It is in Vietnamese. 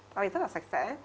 tại vì rất là sạch sẽ